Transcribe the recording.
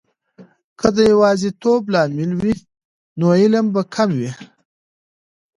که د یواځیتوب لامل وي، نو علم به کمه وي.